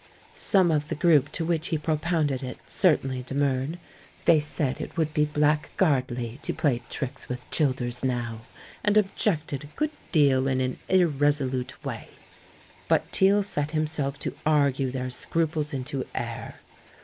Some of the group to which he propounded it certainly demurred. They said it would be black guardly to play tricks with Childers now and ob jected a good deal in an irresolute way. But Teale set himself to argue their scruples into air.